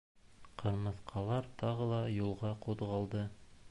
Ҡырмыҫҡалар тағы ла юлға ҡуҙғалды.